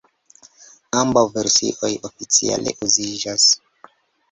Ambaŭ versioj oficiale uziĝas.